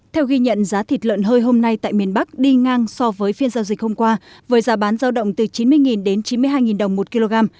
theo ghi nhận giá thịt lợn hơi hôm nay tại miền bắc đi ngang so với phiên giao dịch hôm qua với giá bán giao động từ chín mươi đến chín mươi hai đồng một kg